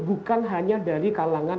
bukan hanya dari kalangan